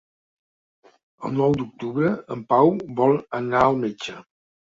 El nou d'octubre en Pau vol anar al metge.